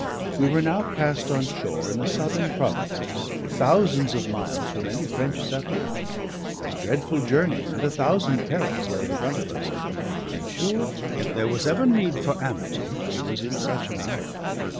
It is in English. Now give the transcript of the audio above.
We were now cast on shore in the southern provinces, thousands of miles from any French settlement; a dreadful journey and a thousand perils lay in front of us; and sure, if there was ever need for amity, it was in such an hour.